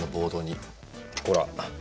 ほら。